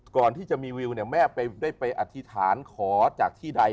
ก่อนที่จะมีวิวเนี่ยแม่ได้ไปอธิษฐานขอจากที่ใด